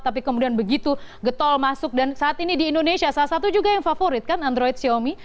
tapi kemudian begitu getol masuk dan saat ini di indonesia salah satu juga yang favorit kan android xiaomi